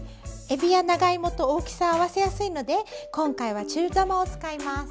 えびや長芋と大きさを合わせやすいので今回は中玉を使います。